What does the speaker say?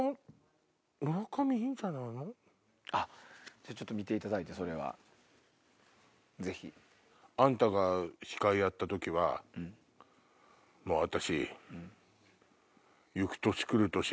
じゃあちょっと見ていただいてそれはぜひ。あんたが司会やった時はもう私。